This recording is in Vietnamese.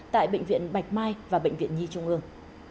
tại bệnh viện bạch mai và bệnh viện nhi trung ương